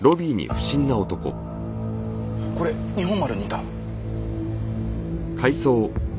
これ日本丸にいた。